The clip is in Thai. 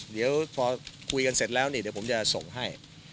เดี๋ยวพอคุยกันเสร็จแล้วนี่เดี๋ยวผมจะส่งให้